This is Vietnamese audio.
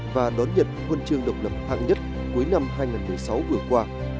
và đón nhận huân chương độc lập hạng nhất cuối năm hai nghìn một mươi sáu vừa qua